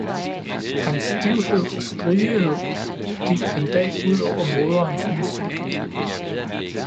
Hans stivhed og stridighed gik en dag ud over moderens nye silkekjole